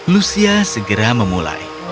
lucia segera memulai